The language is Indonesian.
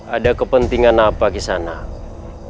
ada kepentingan apa kisah nabi